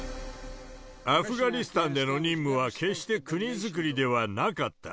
アフガニスタンでの任務は決して国づくりではなかった。